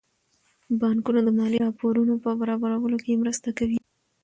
بانکونه د مالي راپورونو په برابرولو کې مرسته کوي.